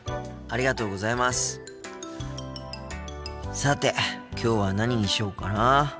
さてきょうは何にしようかなあ。